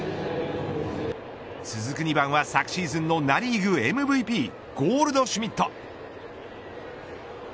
続く２番は昨シーズンのナ・リーグＭＶＰゴールドシュミット。